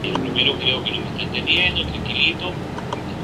En sus años en portugal se convirtió en un firme defensor del abolicionismo.